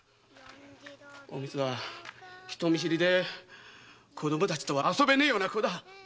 おみつは人見知りで子供たちとも遊べねえような子だ。